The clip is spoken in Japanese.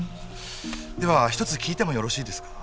では一つ聞いてもよろしいですか？